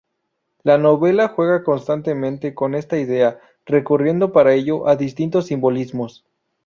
La novela juega constantemente con esta idea, recurriendo para ello a distintos simbolismos.